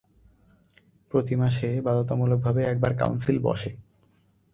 প্রতি মাসে বাধ্যতামূলকভাবে একবার কাউন্সিল বসে।